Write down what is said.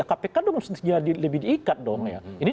kpk lebih diikat dong